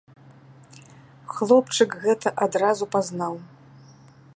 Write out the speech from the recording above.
Хлопчык гэта адразу пазнаў.